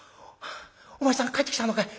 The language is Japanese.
「お前さん帰ってきたのかい。